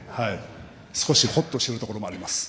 少しホッとしているところもあります。